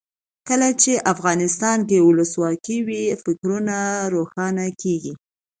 کله چې افغانستان کې ولسواکي وي فکرونه روښانه کیږي.